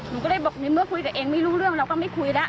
หนูก็เลยบอกในเมื่อคุยกับเองไม่รู้เรื่องเราก็ไม่คุยแล้ว